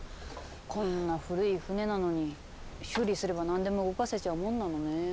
こんな古い船なのに修理すれば何でも動かせちゃうもんなのねぇ。